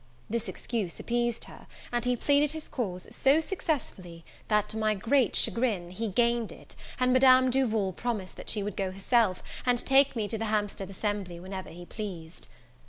This excuse appeased her; and he pleaded his cause so successfully, that, to my great chagrin, he gained it, and Madame Duval promised that she would go herself, and take me to the Hampstead assembly whenever he pleased.